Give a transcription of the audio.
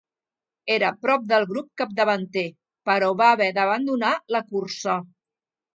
Era prop del grup capdavanter, però va haver d'abandonar la carrera.